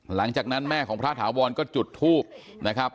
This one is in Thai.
หลังจากนั้นแม่ของพระถาวรก็จุดทูบนะครับ